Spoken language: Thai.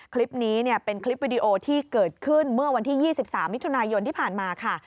คลิปนี้เป็นคลิปวิดีโอที่เกิดขึ้นเมื่อวันที่๒๓มิถุนายนที่ผ่านมาค่ะ